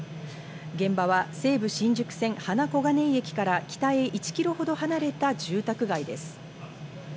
現場は西武新宿線花小金井駅から北へ１ｋｍほど離れた住宅街です。